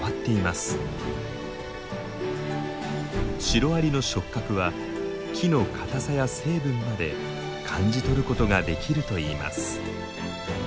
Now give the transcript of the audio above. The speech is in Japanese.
シロアリの触角は木の硬さや成分まで感じ取ることができるといいます。